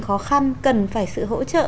khó khăn cần phải sự hỗ trợ